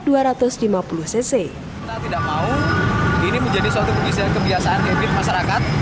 kita tidak mau ini menjadi suatu pengisian kebiasaan hidup masyarakat